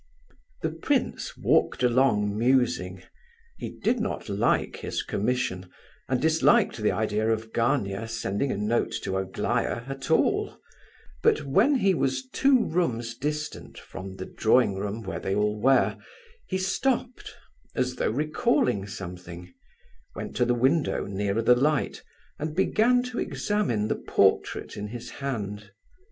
The prince walked along, musing. He did not like his commission, and disliked the idea of Gania sending a note to Aglaya at all; but when he was two rooms distant from the drawing room, where they all were, he stopped as though recalling something; went to the window, nearer the light, and began to examine the portrait in his hand.